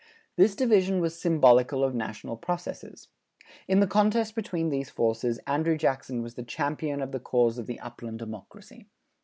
This division was symbolical of national processes. In the contest between these forces, Andrew Jackson was the champion of the cause of the upland democracy.